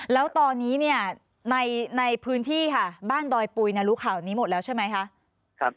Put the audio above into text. แล้วตอนนี้เข้าในบ้านดอยปุ๋ยนลูกเขานี้หมดแล้วใช่ไหมครับ